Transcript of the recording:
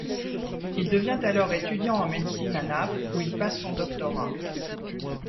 Il devient alors étudiant en médecine à Naples, où il passe son doctorat.